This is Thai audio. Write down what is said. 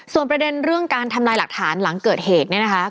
ส่วนประเด็นเรื่องการทำลายหลักฐานหลังเกิดเหตุเนี่ยนะคะ